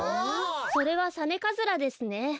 それはサネカズラですね。